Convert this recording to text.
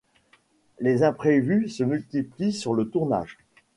Les imprévus se multiplient sur le tournage.